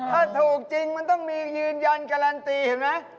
ถ้าถูกจริงมันต้องมียืนยันการันตีเห็นไหม